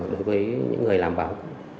đối với những người làm báo